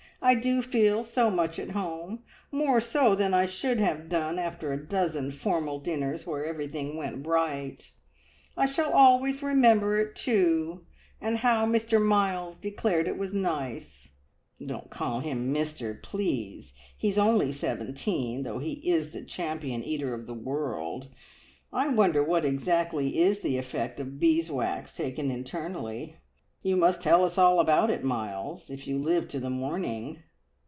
I do feel so much at home more so than I should have done after a dozen formal dinners where everything went right. I shall always remember it too, and how Mr Miles declared it was nice!" "Don't call him `Mr,' please! He is only seventeen, though he is the champion eater of the world. I wonder what exactly is the effect of beeswax taken internally! You must tell us all about it, Miles, if you live to the morning!"